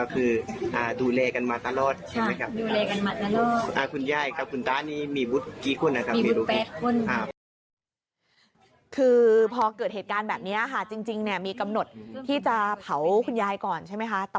คือพอเกิดเหตุการณ์แบบนี้ค่ะจริงมีกำหนดที่จะเผาคุณยายก่อนใช่ไหมคะ